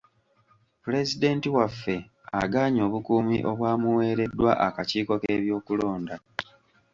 Pulezidenti waffe agaanye obukuumi obwamuweereddwa akakiiko k'ebyokulonda.